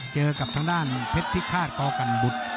เจอกับทางด้านเพชรพิฆาตกกันบุตร